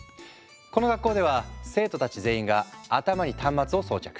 この学校では生徒たち全員が頭に端末を装着。